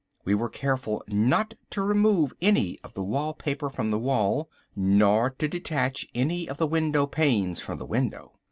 We were careful not to remove any of the wall paper from the wall, nor to detach any of the window panes from the window.